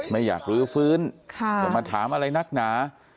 ไม่อยากรู้ฟื้นค่ะผมมาถามอะไรนักหนา